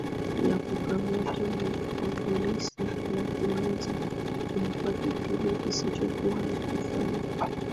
Ya kukamatwa na mapolisi na kuanza kumpa kipigo kisichokuwa na kifani